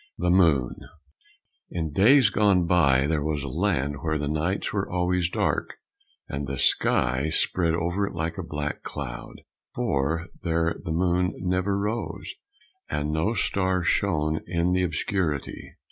175 The Moon In days gone by there was a land where the nights were always dark, and the sky spread over it like a black cloth, for there the moon never rose, and no star shone in the obscurity.